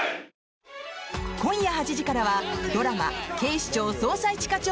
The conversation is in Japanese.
今夜８時からはドラマ「警視庁・捜査一課長」